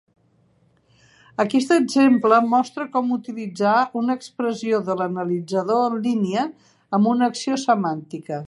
Aquest exemple mostra com utilitzar una expressió de l'analitzador en línia amb una acció semàntica.